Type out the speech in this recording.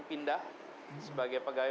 pindah sebagai pegawai